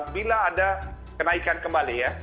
bila ada kenaikan kembali ya